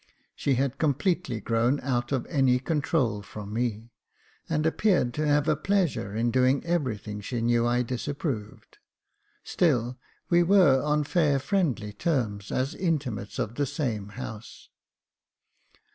She had completely grown out of any control from me, and appeared to have a pleasure in doing everything she knew I disapproved ; still, we were on fair friendly terms as inmates of the same house.